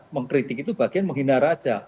mengkritik itu bagian menghina raja